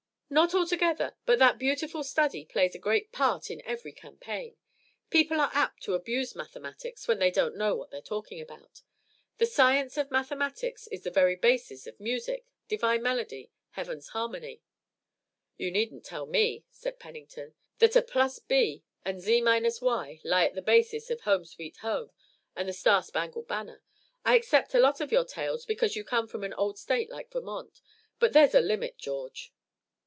"Not altogether, but that beautiful study plays a great part in every campaign. People are apt to abuse mathematics, when they don't know what they're talking about. The science of mathematics is the very basis of music, divine melody, heaven's harmony." "You needn't tell me," said Pennington, "that a plus b and z minus y lie at the basis of 'Home, Sweet Home' and the 'Star Spangled Banner.' I accept a lot of your tales because you come from an old state like Vermont, but there's a limit, George."